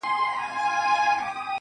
o هغه په ژړا ستغ دی چي يې هيڅ نه ژړل.